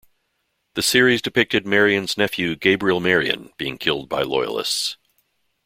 The series depicted Marion's nephew Gabriel Marion being killed by Loyalists.